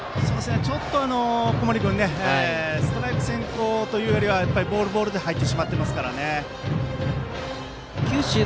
ちょっと小森君ストライク先行というよりはボール、ボールと入っていますね。